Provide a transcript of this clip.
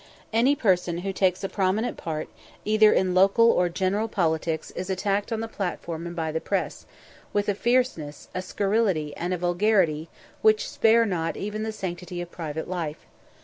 Any person who takes a prominent part either in local or general politics is attacked on the platform and by the press, with a fierceness, a scurrility, and a vulgarity which spare not even the sanctity of private life.